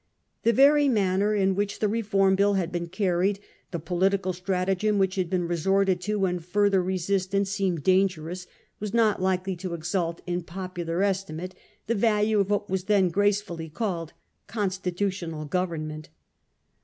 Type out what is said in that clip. The very manner in 1837 9 . CLASS AGAINST CLASS. 25 which the Reform Bill had "been carried, the political stratagem which had been resorted to when further resistance seemed dangerous, was not likely to exalt in popular estimate the value of what was then grace fully called constitutional government.